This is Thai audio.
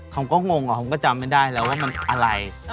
ทางก็มองอ่ะทางก็จำไม่ได้แล้วว่ามันอะไร